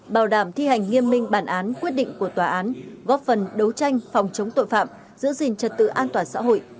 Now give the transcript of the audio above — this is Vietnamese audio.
bảo đảm thi hành nghiêm minh bản án quyết định của tòa án góp phần đấu tranh phòng chống tội phạm giữ gìn trật tự an toàn xã hội